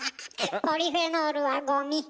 ポリフェノールはゴミ。